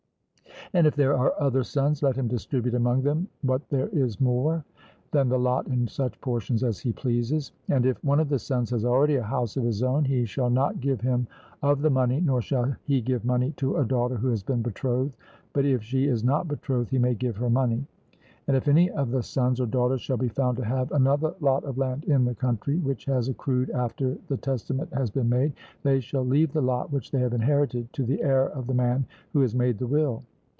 And if there are other sons, let him distribute among them what there is more than the lot in such portions as he pleases. And if one of the sons has already a house of his own, he shall not give him of the money, nor shall he give money to a daughter who has been betrothed, but if she is not betrothed he may give her money. And if any of the sons or daughters shall be found to have another lot of land in the country, which has accrued after the testament has been made, they shall leave the lot which they have inherited to the heir of the man who has made the will.